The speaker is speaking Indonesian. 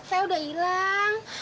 tete udah hilang